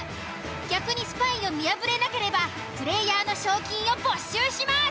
逆にスパイを見破れなければプレイヤーの賞金を没収します。